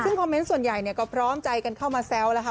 ซึ่งคอมเมนต์ส่วนใหญ่เนี่ยก็พร้อมใจกันเข้ามาแซวแล้วค่ะ